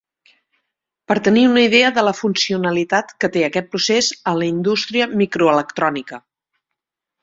Per tenir una idea de la funcionalitat que té aquest procés en la indústria microelectrònica.